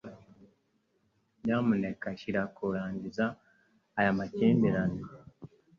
Nyamuneka shyira kurangiza aya makimbirane.